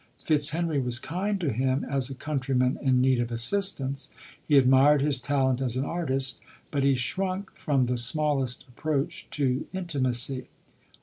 Fitzhenry was kind to him, as a countryman in need of assistance; he admired his talent as an artist, but he shrunk from the smallest approach to intimacy.